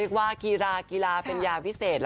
เหรอมากกีฬากีฬาเป็นยาวิเศษ